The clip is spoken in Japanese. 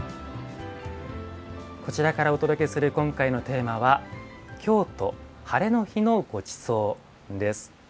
こちらからお届けする今回のテーマは京都「ハレの日のごちそう」です。